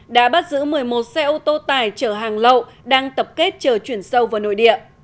đã bắt giữ một mươi một xe ô tô tải chở hàng lậu đang tập kết chờ chuyển sâu vào nội địa